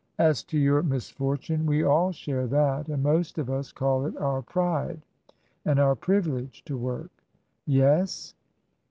" As to your misfortune, we all share that ; and most of us call it our pride and our privilege to work." " Yes